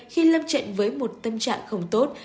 khi lâm trận với một tâm trạng không tốt